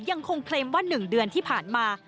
ยังคงเคลมว่า๑เดือนที่ผ่านมา